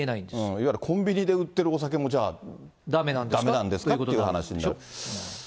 いわゆるコンビニで売ってるお酒もじゃあだめなんですかっていう話になる。